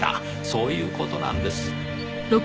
そういう事なんです。